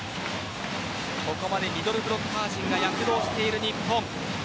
ここまでミドルブロッカー陣が躍動している日本。